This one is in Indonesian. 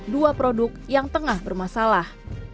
dua produk yang tengah bermasalah